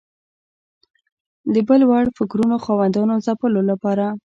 د بل وړ فکرونو خاوندانو ځپلو لپاره